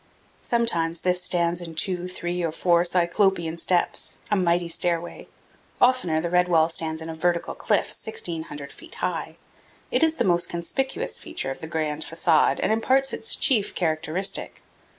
Sometimes this stands in two, three, or four Cyclopean steps a mighty stairway. Oftener the red wall stands in a vertical cliff 1,600 feet high. It is the most conspicuous feature of the grand facade and imparts its chief characteristic.